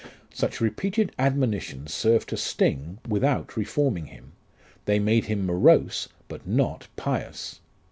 " Such repeated admonitions served to sting, without reforming him ; they made him morose, but not pious.